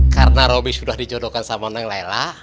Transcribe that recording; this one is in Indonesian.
karena robi sudah dicodohkan sama neng laila